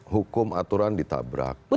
hukum aturan ditabrak